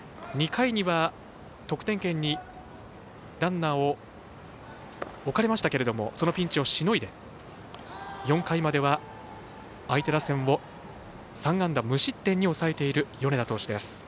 ２回には、得点圏にランナーを置かれましたけどもそのピンチをしのいで４回までは相手打線を３安打無失点に抑えている米田投手です。